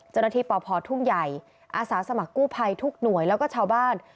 ปพทุ่งใหญ่อาสาสมัครกู้ภัยทุกหน่วยแล้วก็ชาวบ้าน